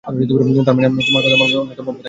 তারমানে আমরা তোমার কথা মানবো, নয়তো মরবো, তাই না?